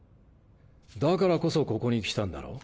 だからこそここに来たんだろう？